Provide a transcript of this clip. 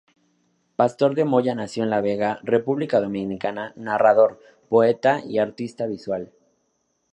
Pastor de Moya Nació en La Vega, República Dominicana Narrador, poeta y artista visual.